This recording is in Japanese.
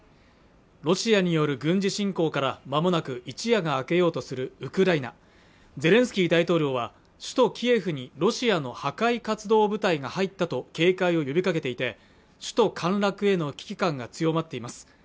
ロシアによる軍事侵攻からまもなく一夜が明けようとするウクライナゼレンスキー大統領は首都キエフにロシアの破壊活動部隊が入ったと警戒を呼びかけていて首都陥落への危機感が強まっています